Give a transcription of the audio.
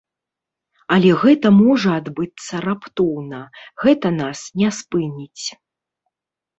Але гэта можа адбыцца раптоўна, гэта нас не спыніць.